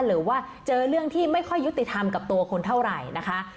หรือว่าเจอเรื่องที่ไม่ค่อยยุติธรรมกับตัวคนเท่าไหร่นะคะ